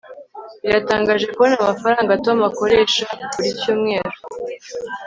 biratangaje kubona amafaranga tom akoresha buri cyumweru